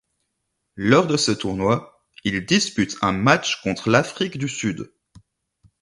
Lors de ce tournoi, il dispute un match contre l'Afrique du Sud.